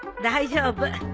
大丈夫。